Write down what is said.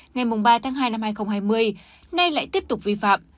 năm hai nghìn hai mươi nay lại tiếp tục vi phạm